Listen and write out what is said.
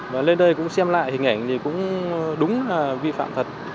và lên đây cũng xem lại hình ảnh thì cũng đúng là vi phạm thật